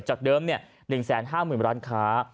จากเดิม๑๕๐๐๐ร้านค้า